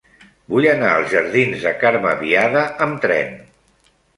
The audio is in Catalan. Vull anar als jardins de Carme Biada amb tren.